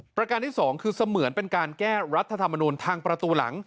ประการที่สองคือเสมือนเป็นการแก้รัฐธรรมนูลทางประตูหลัง